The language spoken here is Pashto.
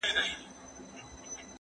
زه ونې ته اوبه نه ورکوم!